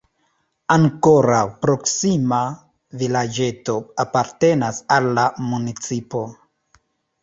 Ankoraŭ proksima vilaĝeto apartenas al la municipo.